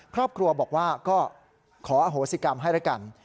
ครอบครัวบอกว่าก็ขออโหสิกรรมให้แล้วกัน